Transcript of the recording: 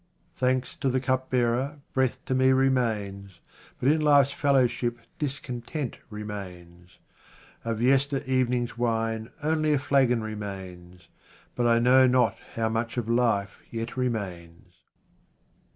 Thanks to the cupbearer, breath to me remains, but in life's fellowship discontent remains. Of yester evening's wine only a flagon remains, but I know not how much of life yet remains.